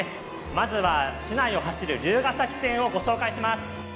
まずは市内を走る竜ヶ崎線を紹介します。